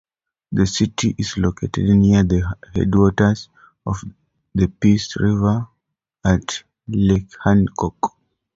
The city is located near the headwaters of the Peace River at Lake Hancock.